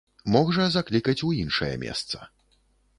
Мог жа заклікаць у іншае месца.